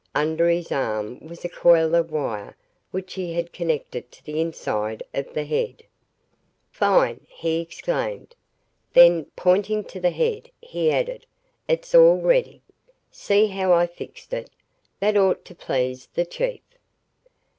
Under his arm was a coil of wire which he had connected to the inside of the head. "Fine!" he exclaimed. Then, pointing to the head, he added, "It's all ready. See how I fixed it? That ought to please the Chief."